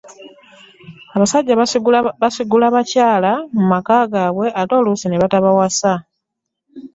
Abasajja basigula bakyala mu maka gaabwe ate oluusi ne batabawasa .